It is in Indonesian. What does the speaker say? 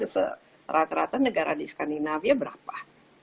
sementara rata rata negara di skandinavia berapa